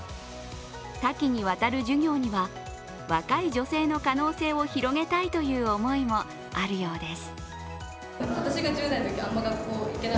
多岐にわたる授業には若い女性の可能性を広げたいという思いもあるようです。